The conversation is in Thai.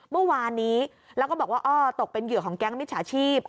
เมื่อวานนี้แล้วก็บอกว่าอ้อตกเป็นเหยื่อของแก๊งมิจฉาชีพ